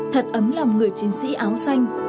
thật ấm lòng người chiến sĩ áo xanh